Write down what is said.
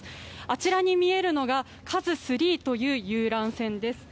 あちらに見えるのが「ＫＡＺＵ３」という遊覧船です。